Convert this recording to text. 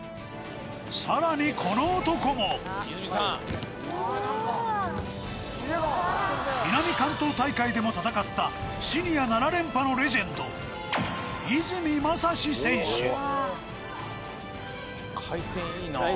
さらにこの男も南関東大会でも戦ったシニア７連覇のレジェンド泉正志選手